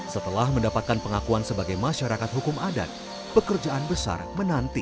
setelah mendapatkan pengakuan sebagai masyarakat hukum adat pekerjaan besar menanti